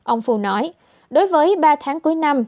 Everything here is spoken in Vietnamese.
ông phu nói đối với ba tháng cuối năm